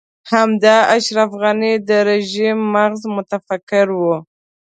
همدا اشرف غني د رژيم مغز متفکر و.